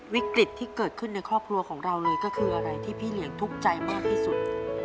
วิกฤตที่เกิดขึ้นในครอบครัวของเราเลยก็คืออะไรที่พี่เหลียงทุกข์ใจมากที่สุด